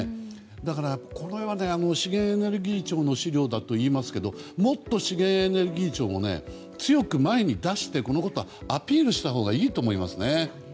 だからこれ、資源エネルギー庁の資料だといいますけどもっと資源エネルギー庁も強く前に出してこのことはアピールしたほうがいいと思いますね。